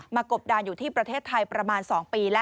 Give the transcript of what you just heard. กบดานอยู่ที่ประเทศไทยประมาณ๒ปีแล้ว